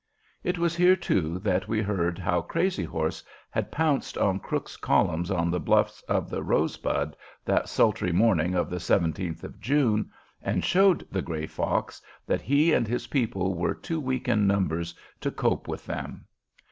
It was here, too, we heard how Crazy Horse had pounced on Crook's columns on the bluffs of the Rosebud that sultry morning of the 17th of June and showed the Gray Fox that he and his people were too weak in numbers to cope with them.